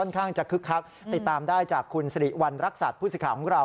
คุกคักติดตามได้จากคุณสริวัณรักษัตริย์ผู้สิขาของเรา